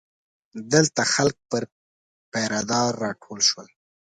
دلته خلک پر پیره دار راټول شول.